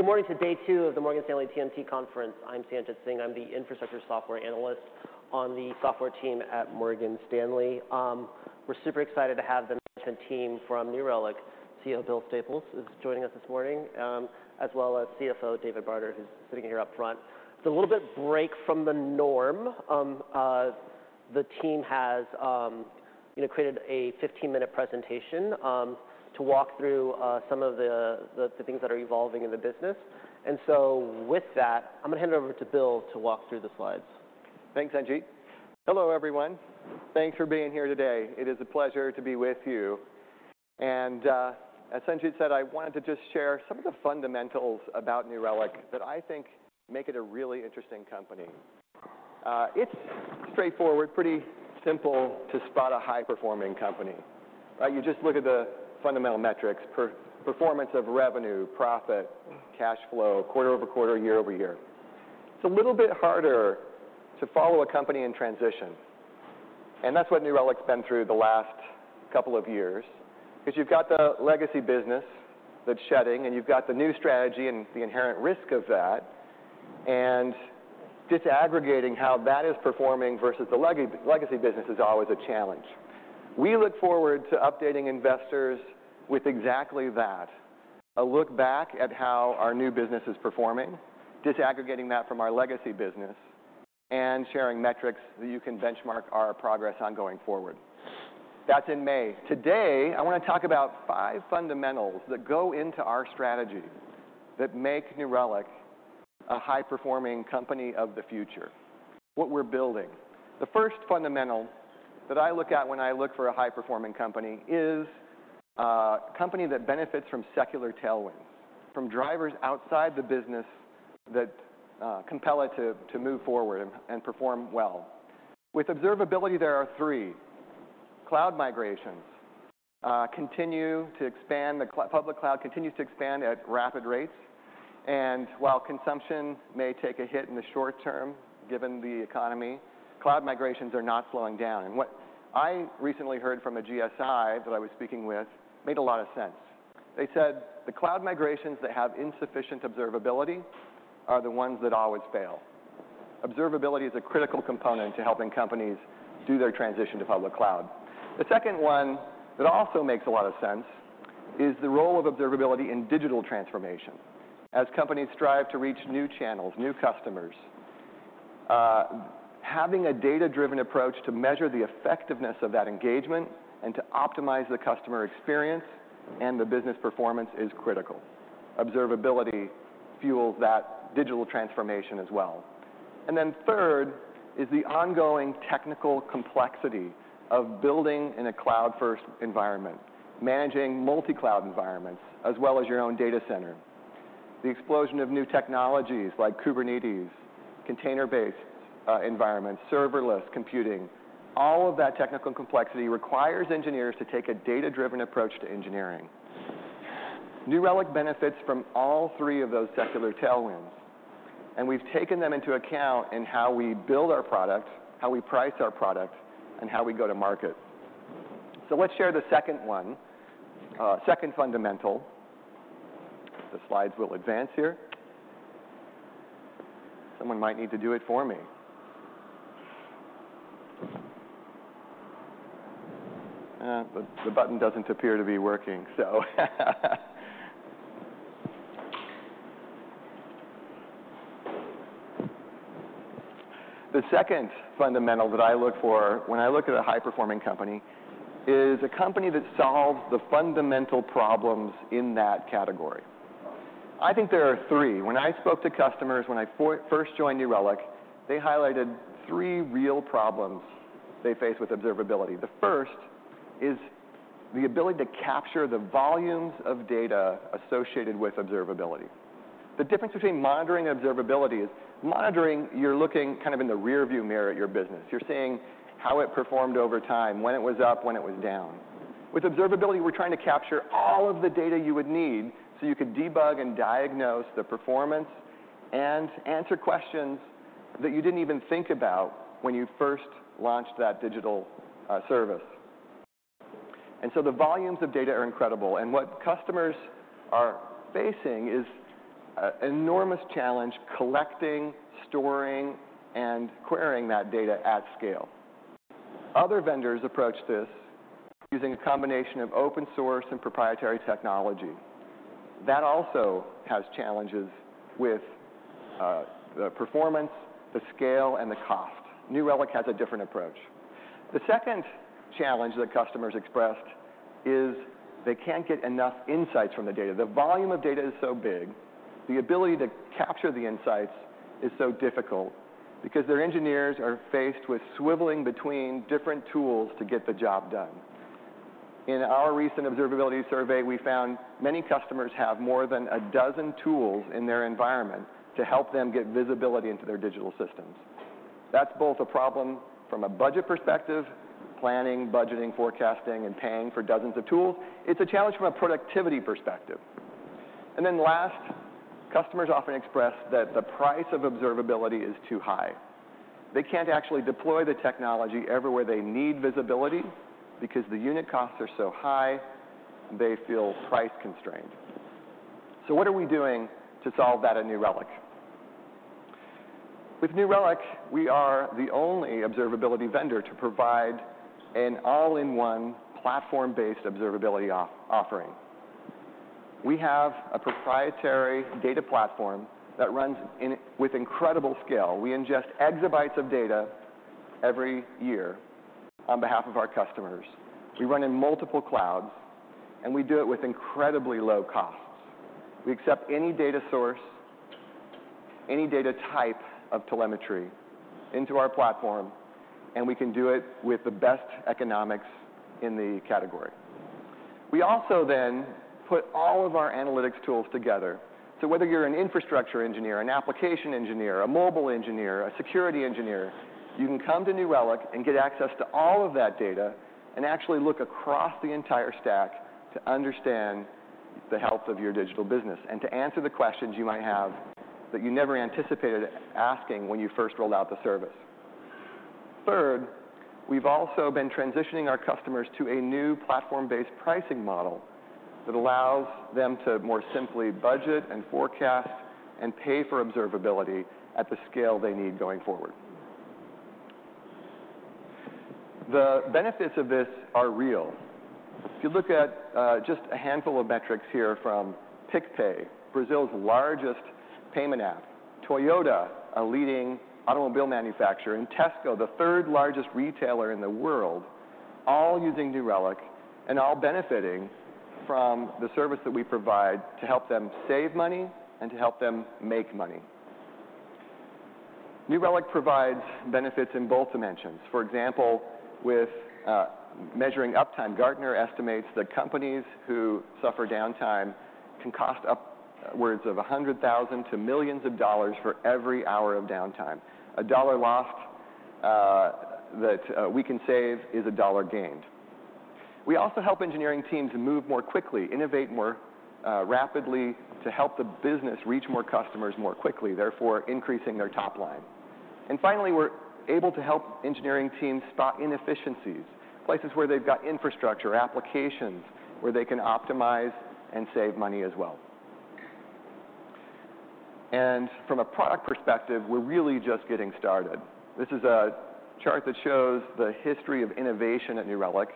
Good morning to day two of the Morgan Stanley TMT Conference. I'm Sanjit Singh. I'm the infrastructure software analyst on the software team at Morgan Stanley. We're super excited to have the management team from New Relic. CEO Bill Staples is joining us this morning, as well as CFO David Barter, who's sitting here up front. It's a little bit break from the norm. The team has, you know, created a 15-minute presentation to walk through some of the things that are evolving in the business. With that, I'm gonna hand it over to Bill to walk through the slides. Thanks, Sanjit. Hello, everyone. Thanks for being here today. It is a pleasure to be with you. as Sanjit said, I wanted to just share some of the fundamentals about New Relic that I think make it a really interesting company. It's straightforward, pretty simple to spot a high-performing company, right? You just look at the fundamental metrics, performance of revenue, profit, cash flow, quarter-over-quarter, year-over-year. It's a little bit harder to follow a company in transition, and that's what New Relic's been through the last couple of years, ’cause you've got the legacy business that's shedding, and you've got the new strategy and the inherent risk of that, and disaggregating how that is performing versus the legacy business is always a challenge. We look forward to updating investors with exactly that, a look back at how our new business is performing, disaggregating that from our legacy business. Sharing metrics that you can benchmark our progress on going forward. That's in May. Today, I wanna talk about five fundamentals that go into our strategy that make New Relic a high-performing company of the future, what we're building. The first fundamental that I look at when I look for a high-performing company is a company that benefits from secular tailwinds, from drivers outside the business that compel it to move forward and perform well. With observability, there are three. Cloud migrations continue to expand. The public cloud continues to expand at rapid rates. While consumption may take a hit in the short term, given the economy, cloud migrations are not slowing down. What I recently heard from a GSI that I was speaking with made a lot of sense. They said, "The cloud migrations that have insufficient observability are the ones that always fail." Observability is a critical component to helping companies do their transition to public cloud. The second one that also makes a lot of sense is the role of observability in digital transformation. As companies strive to reach new channels, new customers, having a data-driven approach to measure the effectiveness of that engagement and to optimize the customer experience and the business performance is critical. Observability fuels that digital transformation as well. Third is the ongoing technical complexity of building in a cloud-first environment, managing multi-cloud environments, as well as your own data center. The explosion of new technologies like Kubernetes, container-based environments, serverless computing, all of that technical complexity requires engineers to take a data-driven approach to engineering. New Relic benefits from all three of those secular tailwinds, and we've taken them into account in how we build our product, how we price our product, and how we go to market. Let's share the second fundamental. The slides will advance here. Someone might need to do it for me. The button doesn't appear to be working. The second fundamental that I look for when I look at a high-performing company is a company that solves the fundamental problems in that category. I think there are three. When I spoke to customers when I first joined New Relic, they highlighted three real problems they face with observability. The first is the ability to capture the volumes of data associated with observability. The difference between monitoring and observability is monitoring, you're looking kind of in the rearview mirror at your business. You're seeing how it performed over time, when it was up, when it was down. With observability, we're trying to capture all of the data you would need, so you could debug and diagnose the performance and answer questions that you didn't even think about when you first launched that digital service. The volumes of data are incredible, and what customers are facing is an enormous challenge collecting, storing, and querying that data at scale. Other vendors approach this using a combination of open source and proprietary technology. That also has challenges with the performance, the scale, and the cost. New Relic has a different approach. The second challenge that customers expressed is they can't get enough insights from the data. The volume of data is so big, the ability to capture the insights is so difficult because their engineers are faced with swiveling between different tools to get the job done. In our recent observability survey, we found many customers have more than a dozen tools in their environment to help them get visibility into their digital systems. That's both a problem from a budget perspective, planning, budgeting, forecasting, and paying for dozens of tools. It's a challenge from a productivity perspective. Last, customers often express that the price of observability is too high. They can't actually deploy the technology everywhere they need visibility because the unit costs are so high, they feel price-constrained. What are we doing to solve that at New Relic? With New Relic, we are the only observability vendor to provide an all-in-one platform-based observability offering. We have a proprietary data platform that runs with incredible scale. We ingest exabytes of data every year on behalf of our customers. We run in multiple clouds, and we do it with incredibly low costs. We accept any data source, any data type of telemetry into our platform, and we can do it with the best economics in the category. We also then put all of our analytics tools together. Whether you're an infrastructure engineer, an application engineer, a mobile engineer, a security engineer, you can come to New Relic and get access to all of that data and actually look across the entire stack to understand the health of your digital business and to answer the questions you might have that you never anticipated asking when you first rolled out the service. Third, we've also been transitioning our customers to a new platform-based pricing model that allows them to more simply budget and forecast and pay for observability at the scale they need going forward. The benefits of this are real. If you look at just a handful of metrics here from PicPay, Brazil's largest payment app, Toyota, a leading automobile manufacturer, and Tesco, the third-largest retailer in the world, all using New Relic and all benefiting from the service that we provide to help them save money and to help them make money. New Relic provides benefits in both dimensions. For example, with measuring uptime, Gartner estimates that companies who suffer downtime can cost upwards of $100,000 to millions of dollars for every hour of downtime. A dollar lost that we can save is a dollar gained. We also help engineering teams move more quickly, innovate more rapidly to help the business reach more customers more quickly, therefore increasing their top line. Finally, we're able to help engineering teams spot inefficiencies, places where they've got infrastructure, applications where they can optimize and save money as well. From a product perspective, we're really just getting started. This is a chart that shows the history of innovation at New Relic,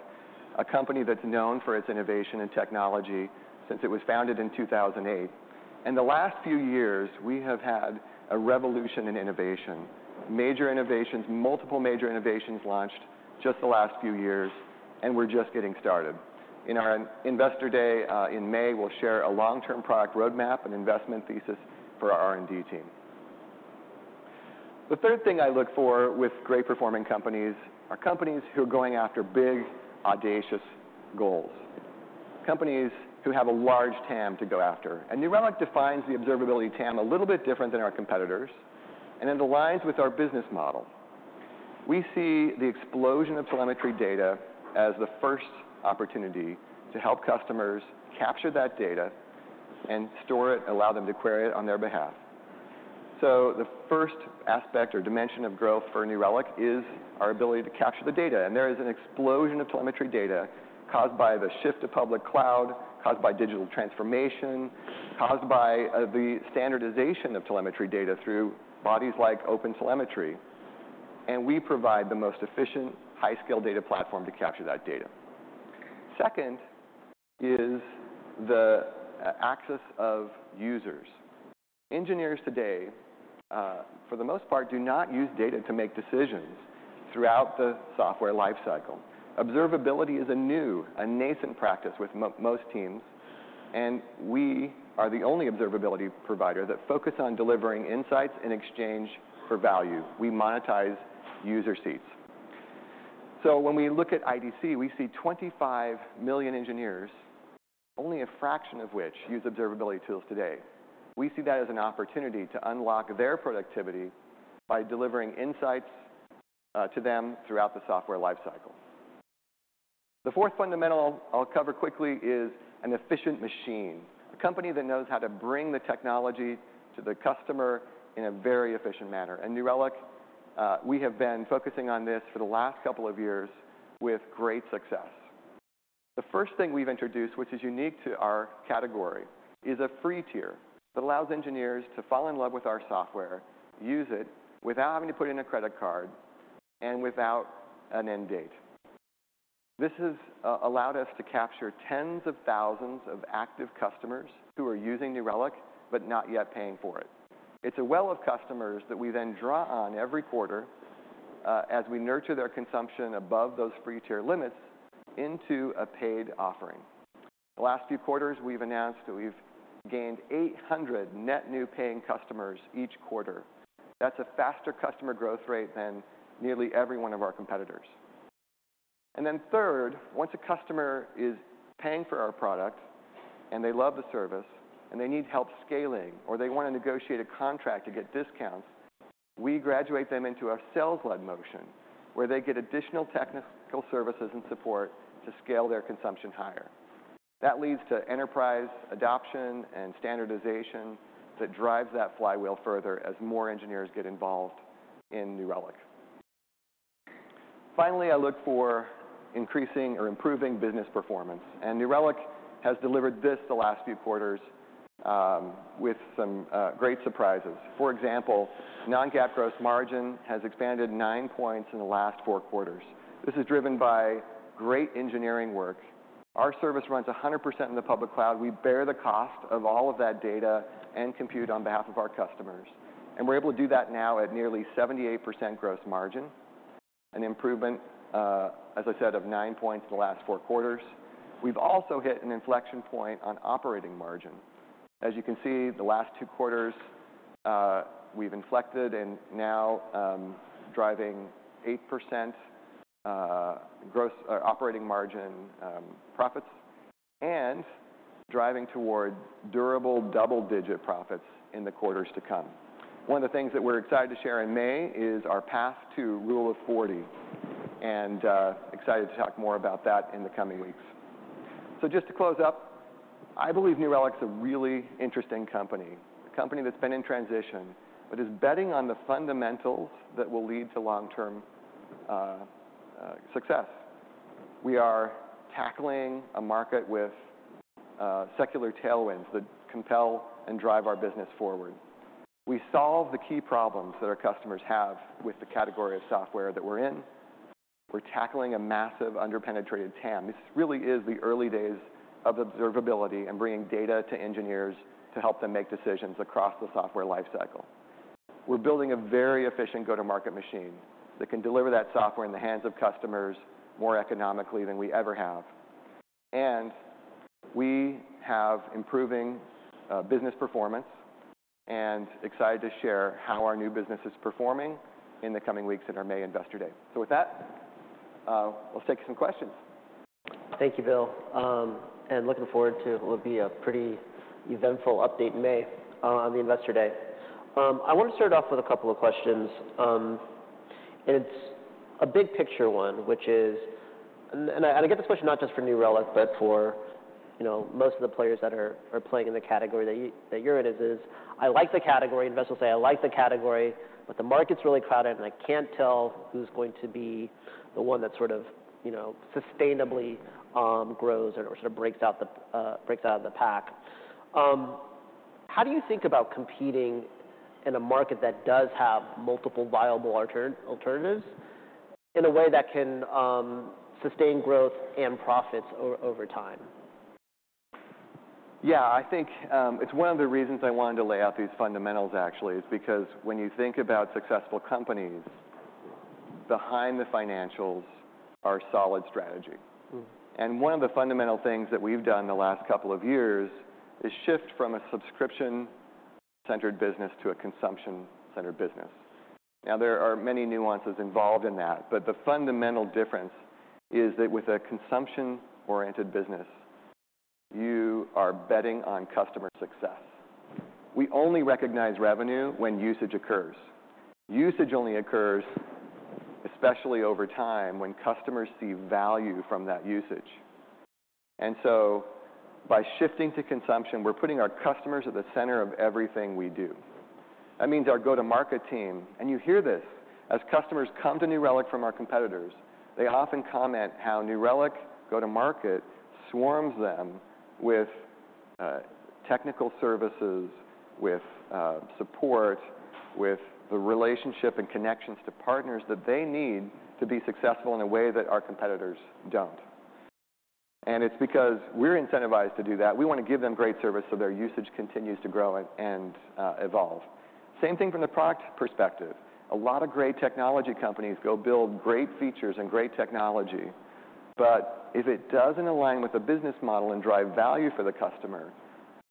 a company that's known for its innovation in technology since it was founded in 2008. In the last few years, we have had a revolution in innovation. Major innovations, multiple major innovations launched just the last few years, and we're just getting started. In our Investor Day in May, we'll share a long-term product roadmap and investment thesis for our R&D team. The third thing I look for with great performing companies are companies who are going after big, audacious goals. Companies who have a large TAM to go after. New Relic defines the observability TAM a little bit different than our competitors, and it aligns with our business model. We see the explosion of telemetry data as the first opportunity to help customers capture that data and store it, allow them to query it on their behalf. The first aspect or dimension of growth for New Relic is our ability to capture the data. There is an explosion of telemetry data caused by the shift to public cloud, caused by digital transformation, caused by the standardization of telemetry data through bodies like OpenTelemetry, and we provide the most efficient high-scale data platform to capture that data. Second is the access of users. Engineers today, for the most part, do not use data to make decisions throughout the software life cycle. Observability is a new, a nascent practice with most teams. We are the only observability provider that focus on delivering insights in exchange for value. We monetize user seats. When we look at IDC, we see 25 million engineers, only a fraction of which use observability tools today. We see that as an opportunity to unlock their productivity by delivering insights to them throughout the software life cycle. The fourth fundamental I'll cover quickly is an efficient machine, a company that knows how to bring the technology to the customer in a very efficient manner. At New Relic, we have been focusing on this for the last couple of years with great success. The first thing we've introduced, which is unique to our category, is a free tier that allows engineers to fall in love with our software, use it without having to put in a credit card and without an end date. This has allowed us to capture tens of thousands of active customers who are using New Relic but not yet paying for it. It's a well of customers that we then draw on every quarter, as we nurture their consumption above those free tier limits into a paid offering. The last few quarters, we've announced that we've gained 800 net new paying customers each quarter. That's a faster customer growth rate than nearly every one of our competitors. Third, once a customer is paying for our product and they love the service and they need help scaling or they wanna negotiate a contract to get discounts, we graduate them into our sales-led motion, where they get additional technical services and support to scale their consumption higher. That leads to enterprise adoption and standardization that drives that flywheel further as more engineers get involved in New Relic. Finally, I look for increasing or improving business performance, and New Relic has delivered this the last few quarters with some great surprises. For example, non-GAAP gross margin has expanded 9 points in the last four quarters. This is driven by great engineering work. Our service runs 100% in the public cloud. We bear the cost of all of that data and compute on behalf of our customers, and we're able to do that now at nearly 78% gross margin, an improvement, as I said, of 9 points in the last four quarters. We've also hit an inflection point on operating margin. As you can see, the last two quarters, we've inflected and now driving 8% or operating margin profits and driving toward durable double-digit profits in the quarters to come. One of the things that we're excited to share in May is our path to Rule of 40, and excited to talk more about that in the coming weeks. Just to close up, I believe New Relic's a really interesting company, a company that's been in transition, but is betting on the fundamentals that will lead to long-term success. We are tackling a market with secular tailwinds that compel and drive our business forward. We solve the key problems that our customers have with the category of software that we're in. We're tackling a massive under-penetrated TAM. This really is the early days of observability and bringing data to engineers to help them make decisions across the software life cycle. We're building a very efficient go-to-market machine that can deliver that software in the hands of customers more economically than we ever have. We have improving business performance and excited to share how our new business is performing in the coming weeks at our May Investor Day. With that, we'll take some questions. Thank you, Bill. Looking forward to what will be a pretty eventful update in May on the Investor Day. I want to start off with a couple of questions. It's a big picture one. I get this question not just for New Relic, but for, you know, most of the players that are playing in the category that you're in, is I like the category. Investors say, "I like the category, but the market's really crowded, and I can't tell who's going to be the one that sort of, you know, sustainably grows or sort of breaks out of the pack." How do you think about competing in a market that does have multiple viable alternatives in a way that can sustain growth and profits over time? Yeah. I think, it's one of the reasons I wanted to lay out these fundamentals actually, is because when you think about successful companies, behind the financials are solid strategy. Mm-hmm. One of the fundamental things that we've done the last couple of years is shift from a subscription-centered business to a consumption-centered business. Now, there are many nuances involved in that, but the fundamental difference is that with a consumption-oriented business, you are betting on customer success. We only recognize revenue when usage occurs. Usage only occurs, especially over time, when customers see value from that usage. By shifting to consumption, we're putting our customers at the center of everything we do. That means our go-to-market team, and you hear this, as customers come to New Relic from our competitors, they often comment how New Relic go-to-market swarms them with technical services, with support, with the relationship and connections to partners that they need to be successful in a way that our competitors don't. It's because we're incentivized to do that. We wanna give them great service so their usage continues to grow and evolve. Same thing from the product perspective. A lot of great technology companies go build great features and great technology, but if it doesn't align with the business model and drive value for the customer,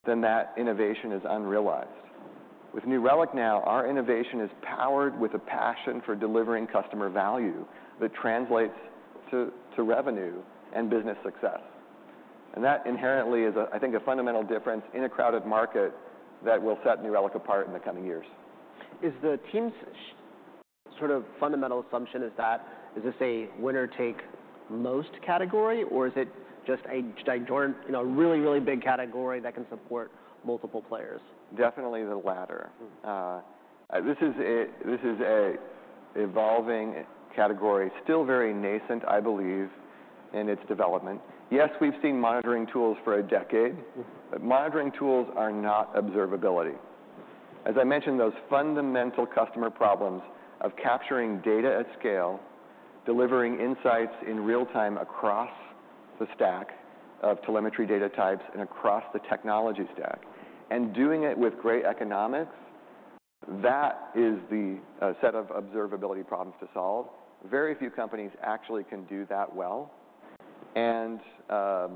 then that innovation is unrealized. With New Relic now, our innovation is powered with a passion for delivering customer value that translates to revenue and business success. That inherently is a, I think, a fundamental difference in a crowded market that will set New Relic apart in the coming years. Is the team's sort of fundamental assumption is that, is this a winner-take-most category, or is it just a giant, you know, a really, really big category that can support multiple players? Definitely the latter. Mm-hmm. This is a evolving category, still very nascent, I believe, in its development. Yes, we've seen monitoring tools for a decade. Mm-hmm. Monitoring tools are not observability. As I mentioned, those fundamental customer problems of capturing data at scale, delivering insights in real time across the stack of telemetry data types and across the technology stack and doing it with great economics, that is the set of observability problems to solve. Very few companies actually can do that well. I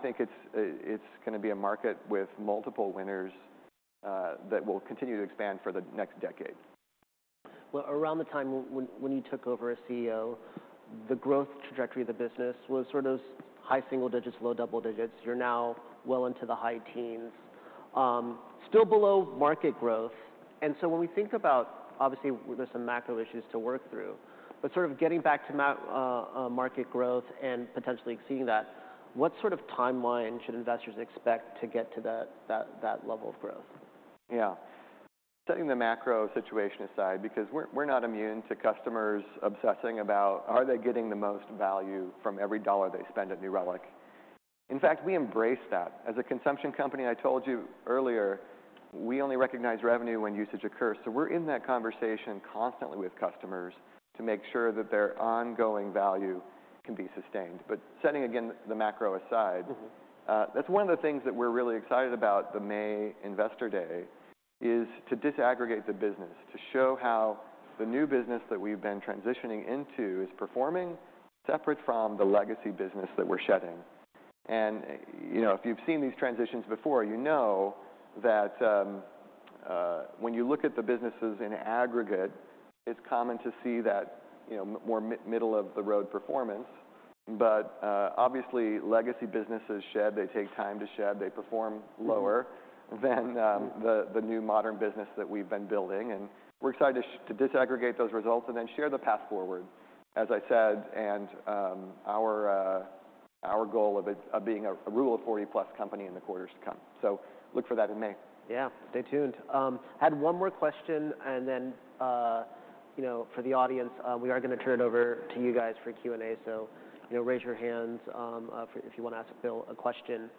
think it's gonna be a market with multiple winners that will continue to expand for the next decade. Well, around the time when you took over as CEO, the growth trajectory of the business was sort of high single digits, low double digits. You're now well into the high teens. Still below market growth. When we think about, obviously there's some macro issues to work through, but sort of getting back to market growth and potentially exceeding that, what sort of timeline should investors expect to get to that level of growth? Setting the macro situation aside, because we're not immune to customers obsessing about are they getting the most value from every dollar they spend at New Relic. In fact, we embrace that. As a consumption company, I told you earlier, we only recognize revenue when usage occurs. We're in that conversation constantly with customers to make sure that their ongoing value can be sustained. Setting again the macro aside. Mm-hmm. That's one of the things that we're really excited about the May Investor Day, is to disaggregate the business, to show how the new business that we've been transitioning into is performing separate from the legacy business that we're shedding. You know, if you've seen these transitions before, you know that, when you look at the businesses in aggregate, it's common to see that, you know, more middle of the road performance. Obviously, legacy businesses shed, they take time to shed, they perform lower than, the new modern business that we've been building. We're excited to disaggregate those results and then share the path forward, as I said, and, our goal of it, of being a Rule of 40+ company in the quarters to come. Look for that in May. Yeah. Stay tuned. Had one more question and then, you know, for the audience, we are gonna turn it over to you guys for Q&A. You know, raise your hands for, if you wanna ask Bill a question.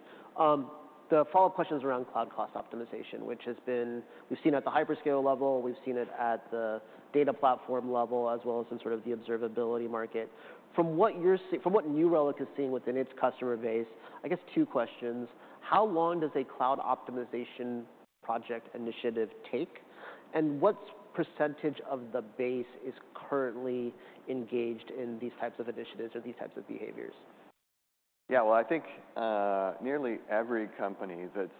The follow-up question's around cloud cost optimization, we've seen at the hyperscale level, we've seen it at the data platform level, as well as in sort of the observability market. From what New Relic is seeing within its customer base, I guess two questions. How long does a cloud optimization project initiative take? What percentage of the base is currently engaged in these types of initiatives or these types of behaviors? Yeah. Well, I think, nearly every company that's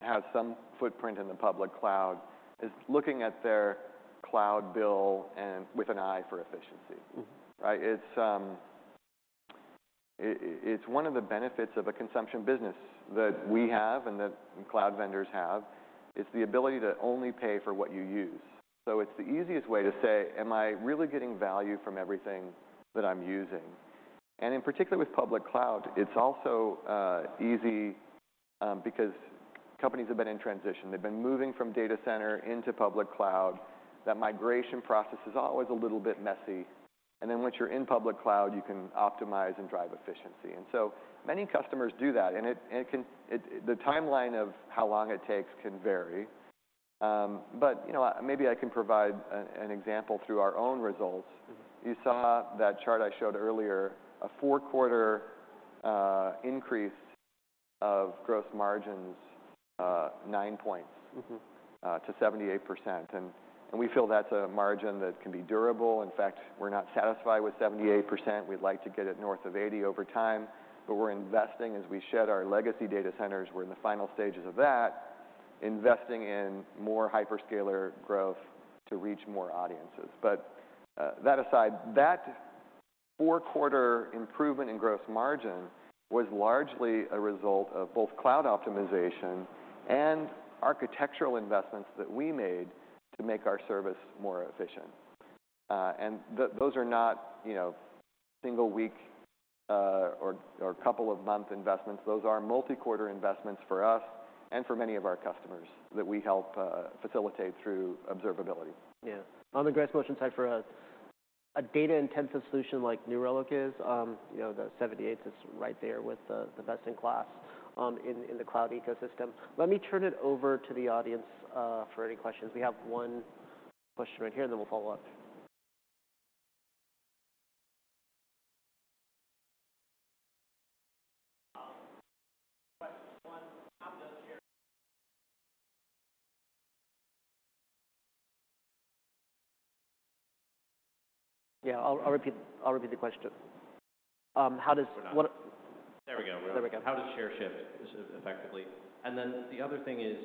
had some footprint in the public cloud is looking at their cloud bill and with an eye for efficiency. Mm-hmm. Right? It's one of the benefits of a consumption business that we have and that cloud vendors have, is the ability to only pay for what you use. It's the easiest way to say, "Am I really getting value from everything that I'm using?" In particular with public cloud, it's also easy because companies have been in transition. They've been moving from data center into public cloud. That migration process is always a little bit messy. Then once you're in public cloud, you can optimize and drive efficiency. Many customers do that, and it can the timeline of how long it takes can vary. You know, maybe I can provide an example through our own results. Mm-hmm. You saw that chart I showed earlier, a four-quarter increase of gross margins, 9 points. Mm-hmm. ...to 78%. We feel that's a margin that can be durable. In fact, we're not satisfied with 78%. We'd like to get it north of 80% over time. We're investing as we shed our legacy data centers. We're in the final stages of that, investing in more hyperscaler growth to reach more audiences. That aside, that four-quarter improvement in gross margin was largely a result of both cloud optimization and architectural investments that we made to make our service more efficient. Those are not, you know, single week, or couple of month investments. Those are multi-quarter investments for us and for many of our customers that we help facilitate through observability. Yeah. On the gross margin side, for a data-intensive solution like New Relic is, you know, the 78% is right there with the best in class, in the cloud ecosystem. Let me turn it over to the audience for any questions. We have one question right here, and then we'll follow up. Question one. How does share- Yeah, I'll repeat the question. We're not. One- There we go. We're on. There we go. How does share shift effectively? The other thing is,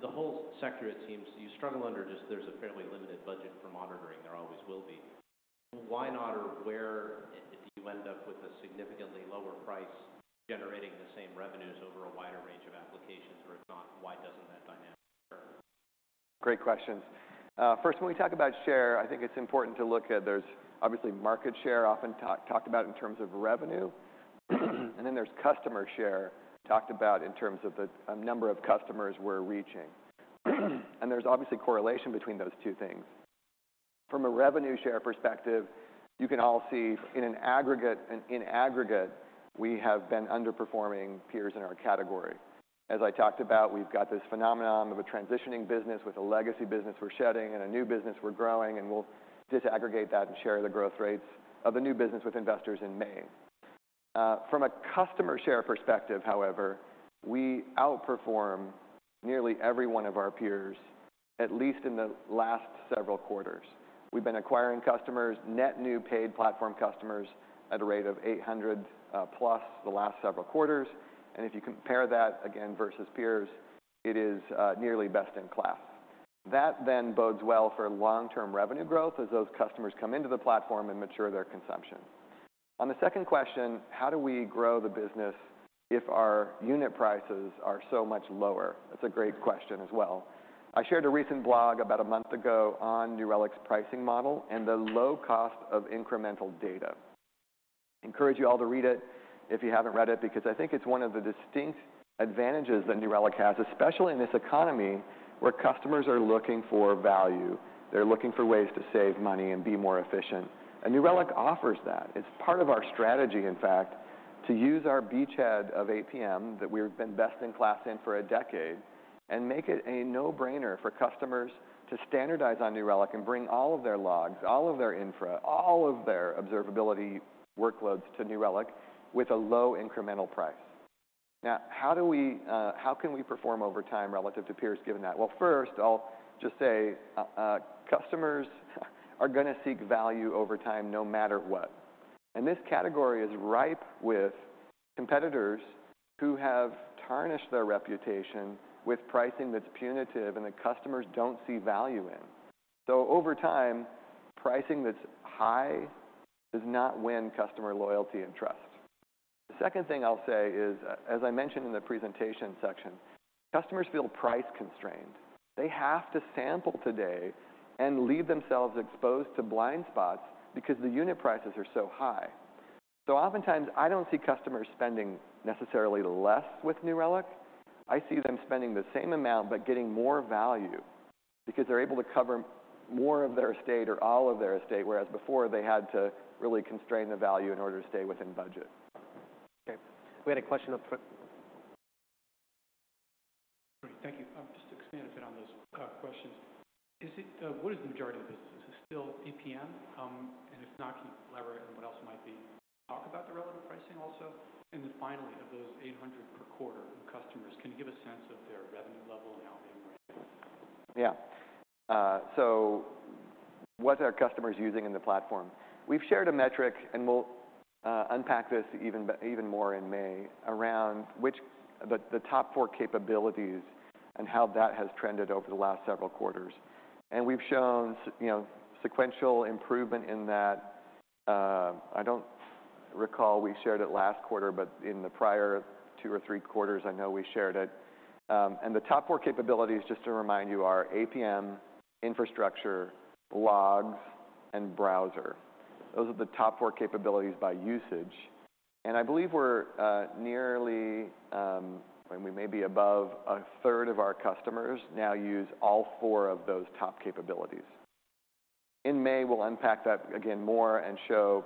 the whole sector, it seems you struggle under just there's a fairly limited budget for monitoring. There always will be. Why not or where if you end up with a significantly lower price generating the same revenues over a wider range of applications, or if not, why doesn't that dynamic occur? Great questions. First, when we talk about share, I think it's important to look at there's obviously market share often talked about in terms of revenue, and then there's customer share talked about in terms of the, a number of customers we're reaching. There's obviously correlation between those two things. From a revenue share perspective, you can all see in aggregate, we have been underperforming peers in our category. As I talked about, we've got this phenomenon of a transitioning business with a legacy business we're shedding and a new business we're growing, we'll disaggregate that and share the growth rates of the new business with investors in May. From a customer share perspective, however, we outperform nearly every one of our peers, at least in the last several quarters. We've been acquiring customers, net new paid platform customers at a rate of 800, plus the last several quarters. If you compare that again versus peers, it is, nearly best in class. That then bodes well for long-term revenue growth as those customers come into the platform and mature their consumption. On the second question, how do we grow the business if our unit prices are so much lower? That's a great question as well. I shared a recent blog about a month ago on New Relic's pricing model and the low cost of incremental data. Encourage you all to read it if you haven't read it, because I think it's one of the distinct advantages that New Relic has, especially in this economy, where customers are looking for value. They're looking for ways to save money and be more efficient. New Relic offers that. It's part of our strategy, in fact, to use our beachhead of APM that we've been best in class in for a decade and make it a no-brainer for customers to standardize on New Relic and bring all of their logs, all of their infra, all of their observability workloads to New Relic with a low incremental price. Now, how can we perform over time relative to peers given that? Well, first, I'll just say, customers are gonna seek value over time no matter what. This category is ripe with competitors who have tarnished their reputation with pricing that's punitive and the customers don't see value in. Over time, pricing that's high does not win customer loyalty and trust. The second thing I'll say is, as I mentioned in the presentation section, customers feel price-constrained. They have to sample today and leave themselves exposed to blind spots because the unit prices are so high. Oftentimes I don't see customers spending necessarily less with New Relic. I see them spending the same amount but getting more value because they're able to cover more of their estate or all of their estate, whereas before, they had to really constrain the value in order to stay within budget. Okay, we had a question up front. Thank you. Just to expand a bit on those questions. Is it, what is the majority of the business? Is it still APM? If not, can you elaborate on what else it might be? Talk about the relevant pricing also. Finally, of those 800 per quarter customers, can you give a sense of their revenue level and how they integrate? What are customers using in the platform? We've shared a metric, and we'll unpack this even more in May around the top four capabilities and how that has trended over the last several quarters. We've shown you know, sequential improvement in that. I don't recall we shared it last quarter, but in the prior two or three quarters, I know we shared it. The top four capabilities, just to remind you, are APM, infrastructure, logs, and browser. Those are the top four capabilities by usage. I believe we're nearly, and we may be above 1/3 of our customers now use all four of those top capabilities. In May, we'll unpack that again more and show,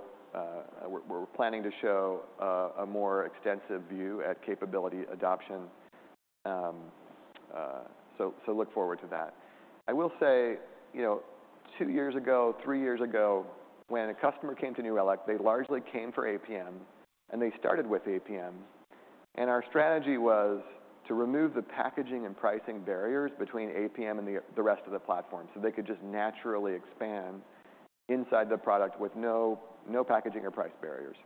we're planning to show a more extensive view at capability adoption. Look forward to that. I will say, you know, two years ago, three years ago, when a customer came to New Relic, they largely came for APM, and they started with APM, and our strategy was to remove the packaging and pricing barriers between APM and the rest of the platform, so they could just naturally expand inside the product with no packaging or price barriers.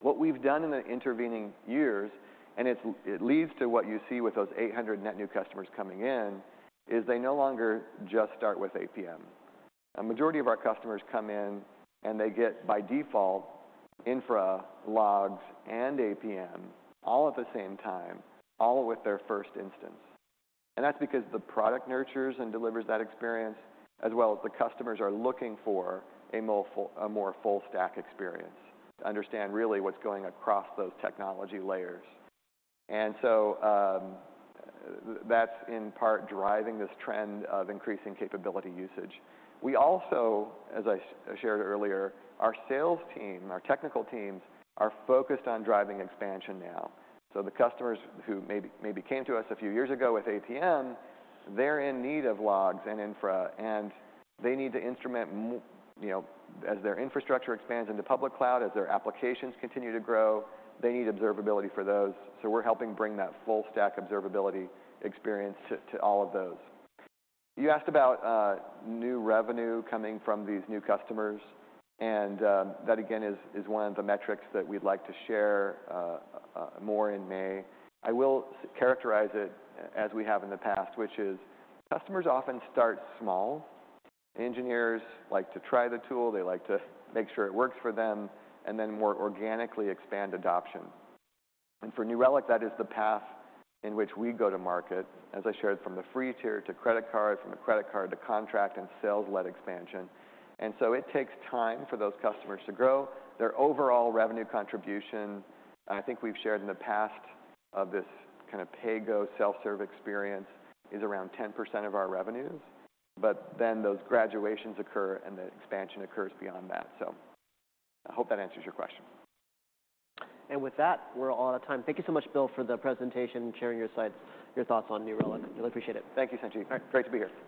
What we've done in the intervening years, and it leads to what you see with those 800 net new customers coming in, is they no longer just start with APM. A majority of our customers come in, and they get, by default, infra, logs, and APM all at the same time, all with their first instance. That's because the product nurtures and delivers that experience, as well as the customers are looking for a more full stack experience to understand really what's going across those technology layers. That's in part driving this trend of increasing capability usage. We also, as I shared earlier, our sales team, our technical teams, are focused on driving expansion now. The customers who may be came to us a few years ago with APM, they're in need of logs and infra, and they need to instrument you know, as their infrastructure expands into public cloud, as their applications continue to grow, they need observability for those. We're helping bring that full stack observability experience to all of those. You asked about new revenue coming from these new customers, and that again is one of the metrics that we'd like to share more in May. I will characterize it as we have in the past, which is customers often start small. Engineers like to try the tool, they like to make sure it works for them, and then more organically expand adoption. For New Relic, that is the path in which we go to market, as I shared from the free tier to credit card, from the credit card to contract, and sales-led expansion. It takes time for those customers to grow. Their overall revenue contribution, I think we've shared in the past of this kind of pay-go, self-serve experience, is around 10% of our revenues. Those graduations occur, and the expansion occurs beyond that. I hope that answers your question. With that, we're all out of time. Thank you so much, Bill, for the presentation, sharing your slides, your thoughts on New Relic. Really appreciate it. Thank you, Sanjit Singh. Great to be here.